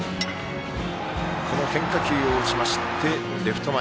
変化球を打ちまして、レフト前。